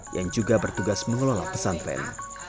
yang juga bertugas mengelola pesantren